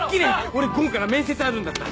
俺午後から面接あるんだった。